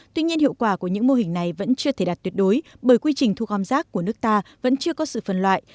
tuy nhiên hiệu quả của những mô hình này vẫn chưa thể đạt tuyệt đối bởi quy trình thu gom rác của nước ta vẫn chưa có sự phân loại